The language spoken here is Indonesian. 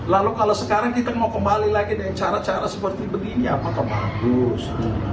lalu kalau sekarang kita mau kembali lagi dengan cara cara seperti begini apakah bagus